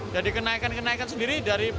jadi kenaikan kenaikan sendiri dari